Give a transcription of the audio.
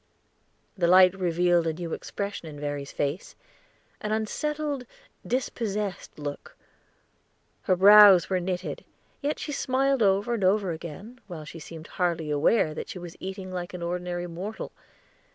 The light revealed a new expression in Verry's face an unsettled, dispossessed look; her brows were knitted, yet she smiled over and over again, while she seemed hardly aware that she was eating like an ordinary mortal.